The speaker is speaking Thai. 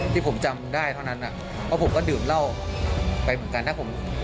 ที่ผมจำได้เท่านั้นเพราะผมก็ดื่มเหล้าไปเหมือนกันถ้าผม